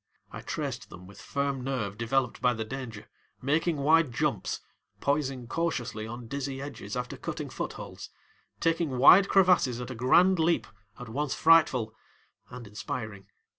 I traced them with firm nerve developed by the danger, making wide jumps, poising cautiously on dizzy edges after cutting footholds, taking wide crevasses at a grand leap at once frightful and inspiring.